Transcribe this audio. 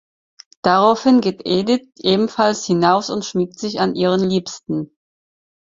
Daraufhin geht Edith ebenfalls hinaus und schmiegt sich an ihren Liebsten.